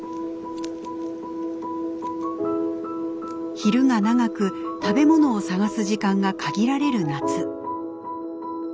昼が長く食べ物を探す時間が限られる夏。